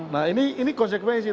nah ini konsekuensi